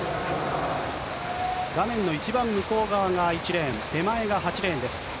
画面の一番向こう側が１レーン、手前が８レーンです。